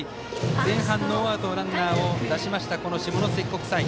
前半、ノーアウトのランナーを出しました、下関国際。